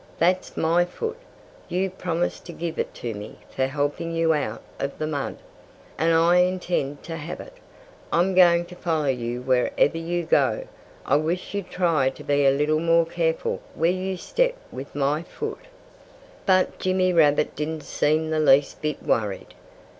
"That's my foot! You promised to give it to me for helping you out of the mud. And I intend to have it. I'm going to follow you wherever you go. I wish you'd try to be a little more careful where you step with my foot." But Jimmy Rabbit didn't seem the least bit worried.